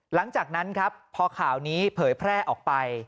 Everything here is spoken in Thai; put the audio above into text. หลังจากนั้นครับพอข่าวนี้เผยแพร่ออกไป